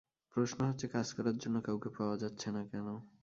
প্রশ্ন হচ্ছে, কাজ করার জন্য কাউকে পাওয়া যাচ্ছে না কেন?